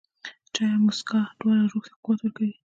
چای او موسکا، دواړه روح ته قوت ورکوي.